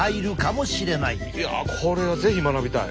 いやこれは是非学びたい。